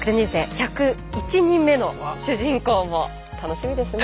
１０１人目の主人公も楽しみですね。